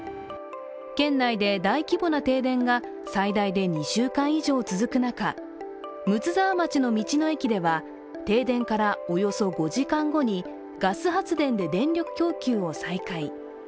県内で大規模な停電が最大で２週間以上続く中、睦沢町の道の駅では、停電からおよそ５時間後にガス発電で電力供給を再開